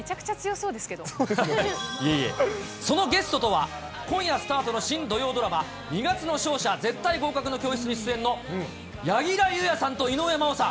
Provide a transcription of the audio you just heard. そのゲストとは、今夜スタートの新土曜ドラマ、二月の勝者ー絶対合格に出演の柳楽優弥さんと井上真央さん。